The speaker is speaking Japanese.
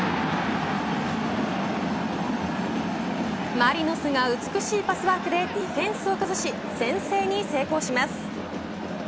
マリノスが美しいパスワークでディフェンスを崩し先制に成功します。